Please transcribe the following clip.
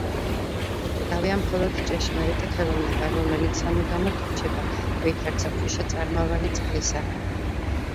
უკვდავია მხოლოდ ჭეშმარიტი ხელოვნება, რომელიც სამუდამოდ რჩება, ვითარცა ქვიშა წარმავალი წყლისა.